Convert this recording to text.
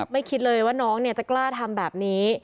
คิดเลยว่าน้องจะกล้าทำแบบนี้